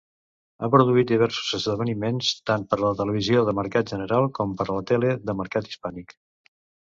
Ha produït diversos esdeveniments tant per a la televisió de mercat general com per a la de mercat hispànic.